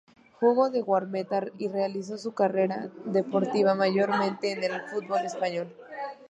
Jugó de guardameta, y realizó su carrera deportiva mayormente en el fútbol español.